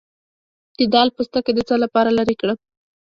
د دال پوستکی د څه لپاره لرې کړم؟